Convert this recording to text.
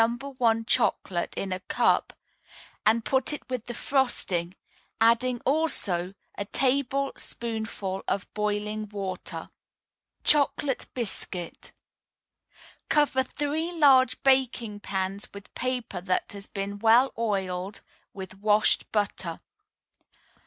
1 Chocolate in a cup, and put it with the frosting, adding also a tablespoonful of boiling water. CHOCOLATE BISCUIT Cover three large baking pans with paper that has been well oiled with washed butter.